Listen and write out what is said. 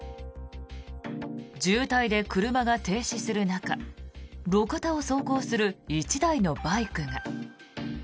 渋滞で車が停止する中路肩を走行する１台のバイクが。